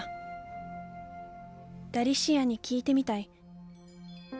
ダリシアに聞いてみたい。